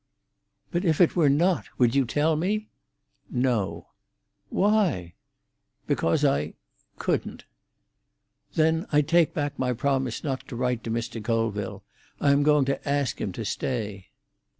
"But if it were not, would you tell me?" "No." "Why?" "Because I—couldn't." "Then I take back my promise not to write to Mr. Colville. I am going to ask him to stay."